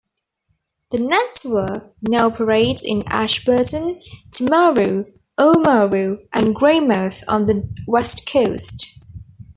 The network now operates in Ashburton, Timaru, Oamaru and Greymouth on the West Coast.